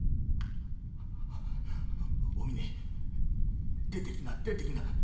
おみね、出てきな、出てきな。